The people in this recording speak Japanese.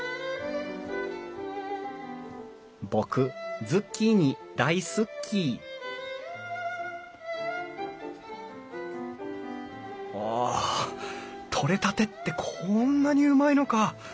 僕ズッキーニ大好っきお取れたてってこんなにうまいのか！